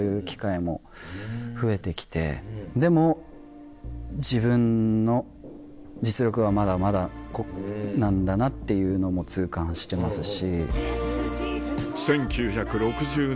でも自分の実力はまだまだなんだなっていうのも痛感してますし。